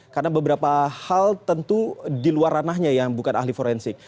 karena beberapa hal tentu diluar ranahnya ya yang bukan ahli forensik